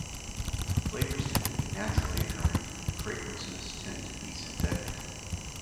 Flavors tend to be naturally occurring, and fragrances tend to be synthetic.